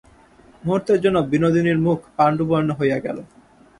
মুহূর্তের জন্য বিনোদিনীর মুখ পাণ্ডুবর্ণ হইয়া গেল।